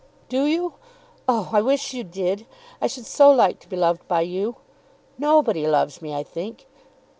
"Do you? Oh! I wish you did. I should so like to be loved by you. Nobody loves me, I think.